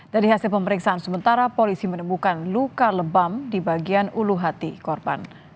dari hasil pemeriksaan sementara polisi menemukan luka lebam di bagian ulu hati korban